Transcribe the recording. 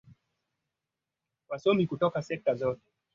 yaani watawala wenyeji waliowekwa na wakoloni